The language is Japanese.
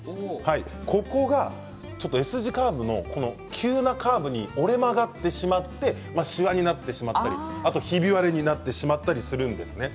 ここが、Ｓ字カーブの急なカーブに折れ曲がってしまってしわになってしまったりひび割れになってしまったりするんですね。